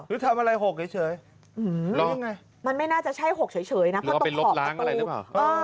หรือทำอะไรหกเฉยมันไม่น่าจะใช่หกเฉยหรือเป็นรถล้างอะไรหรือเปล่า